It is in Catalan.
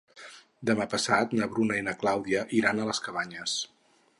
Demà passat na Bruna i na Clàudia iran a les Cabanyes.